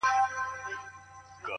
د ميني ننداره ده! د مذهب خبره نه ده!